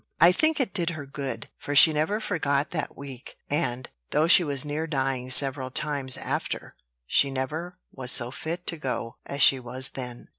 I think it did her good; for she never forgot that week, and, though she was near dying several times after, she never was so fit to go as she was then.